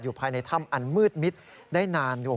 อยู่ภายในถ้ำอันมืดมิดได้นาน